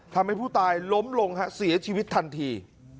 ทำให้ผู้ตายล้มลงเสียชีวิตทันที